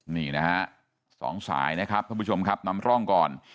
นี่นะฮะสองสายนะครับท่านผู้ชมครับนำร่องก่อน